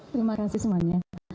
terima kasih semuanya